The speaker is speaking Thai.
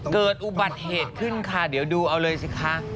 เกิดอุบัติเหตุขึ้นค่ะเดี๋ยวดูเอาเลยสิคะ